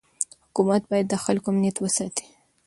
حکومت باید د خلکو امنیت وساتي.